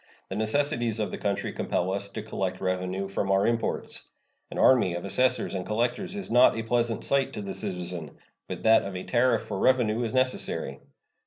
The necessities of the country compel us to collect revenue from our imports. An army of assessors and collectors is not a pleasant sight to the citizen, but that of a tariff for revenue is necessary.